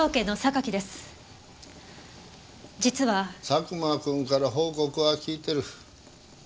佐久間君から報告は聞いてる。